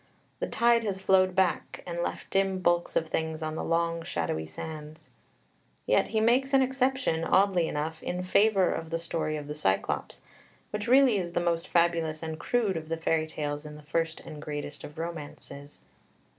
The tide has flowed back, and left dim bulks of things on the long shadowy sands. Yet he makes an exception, oddly enough, in favour of the story of the Cyclops, which really is the most fabulous and crude of the fairy tales in the first and greatest of romances.